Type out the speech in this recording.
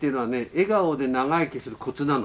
笑顔で長生きするコツなの。